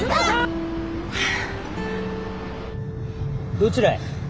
どちらへ？